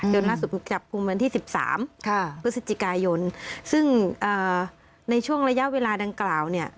จนล่าสุดจับวันที่สิบสามค่ะพฤศจิกายนซึ่งในช่วงระยะเวลาดังกล่าวเนี่ย